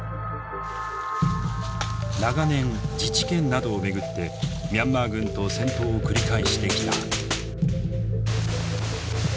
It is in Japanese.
長年自治権などを巡ってミャンマー軍と戦闘を繰り返してきた。